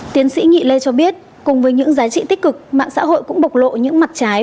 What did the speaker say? tiến sĩ nhị lê cho biết cùng với những giá trị tích cực mạng xã hội cũng bộc lộ những mặt trái